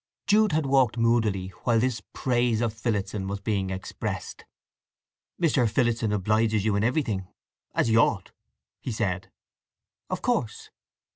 Jude had walked moodily while this praise of Phillotson was being expressed. "Mr. Phillotson obliges you in everything, as he ought," he said. "Of course."